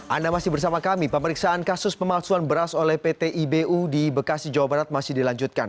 anda masih bersama kami pemeriksaan kasus pemalsuan beras oleh pt ibu di bekasi jawa barat masih dilanjutkan